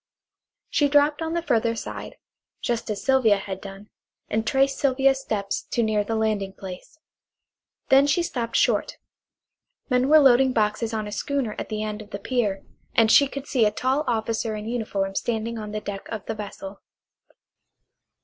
She dropped on the further side, just as Sylvia had done, and traced Sylvia's steps to near the landing place. Then she stopped short. Men were loading boxes on a schooner at the end of the pier, and she could see a tall officer in uniform standing on the deck of the vessel.